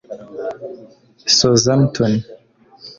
Southmpton